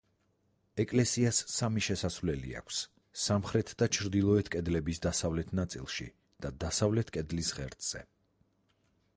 ეკლესიას სამი შესასვლელი აქვს: სამხრეთ და ჩრდილოეთ კედლების დასავლეთ ნაწილში და დასავლეთ კედლის ღერძზე.